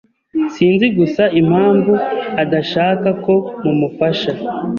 Sinzi gusa impamvu adashaka ko mumufasha.